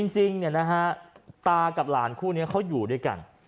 จริงตากับหลานคู่นี้เขาอยู่ด้วยกัน